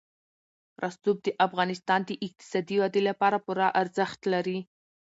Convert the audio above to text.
رسوب د افغانستان د اقتصادي ودې لپاره پوره ارزښت لري.